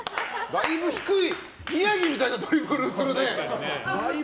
だいぶ低い宮城みたいなドリブルするね。